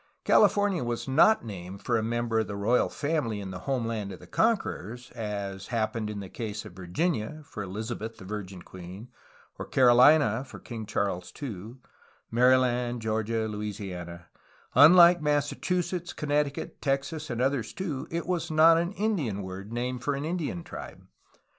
California was not named for a member of the royal family in the homeland of the conquerors, as hap pened in the case of Virginia (for Elizabeth, the Virgin Queen), Carolina (for King Charles II), Maryland, Geor gia, and Louisiana Unlike Massachusetts, Connecticut, Texas, and others, too, it was not an Indian word or named for an Indian tribe.